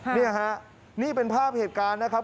นี่ฮะนี่เป็นภาพเหตุการณ์นะครับ